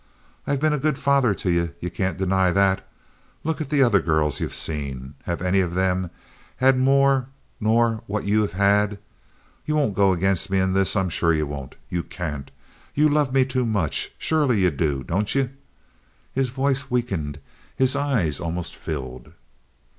I've been a good father to ye—ye can't deny that. Look at the other girls you've seen. Have any of them had more nor what ye have had? Ye won't go against me in this. I'm sure ye won't. Ye can't. Ye love me too much—surely ye do—don't ye?" His voice weakened. His eyes almost filled.